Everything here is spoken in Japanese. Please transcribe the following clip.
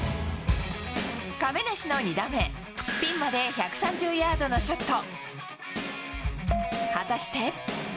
亀梨の２打目、ピンまで１３０ヤードのショット。